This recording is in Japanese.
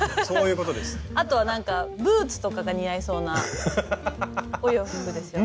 あとはなんかブーツとかが似合いそうなお洋服ですよね。